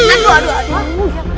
aduh aduh aduh